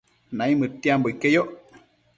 Naimëdtiambo iqueyoc